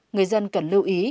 người dân cần lưu ý